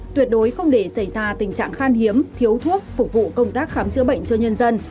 tuyệt đối không để xảy ra tình trạng khan hiếm thiếu thuốc phục vụ công tác khám chữa bệnh cho nhân dân